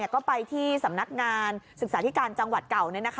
ก็ไปที่สำนักงานศึกษาธิการจังหวัดเก่า